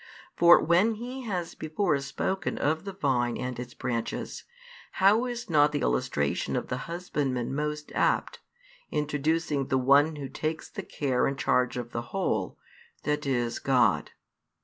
For when He has before spoken of the vine and its branches, how is not the illustration of the husbandman most apt, introducing the One Who takes the care and charge of the whole, that is God.